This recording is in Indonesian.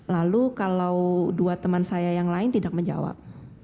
lalu kalau dua teman saya yang lain tidak menjawab